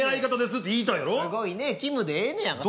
「すごいねきむ」でええねやんか。